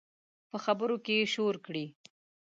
په خبرو کې یې شور کړي